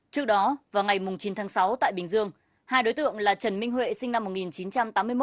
trước đó vào ngày chín tháng sáu tại bình dương hai đối tượng là trần minh huệ sinh năm một nghìn chín trăm tám mươi một